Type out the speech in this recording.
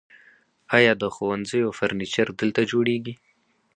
آیا د ښوونځیو فرنیچر دلته جوړیږي؟